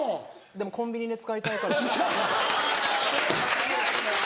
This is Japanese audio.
でもコンビニで使いたいから。